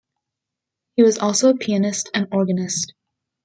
He was also a pianist and organist.